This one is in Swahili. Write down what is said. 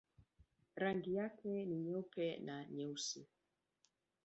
Rangi zake ni nyeupe na nyeusi.